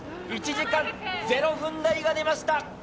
１時間０分台が出ました。